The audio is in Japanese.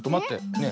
ねえ。